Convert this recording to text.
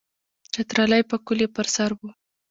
چترالی پکول یې پر سر وو.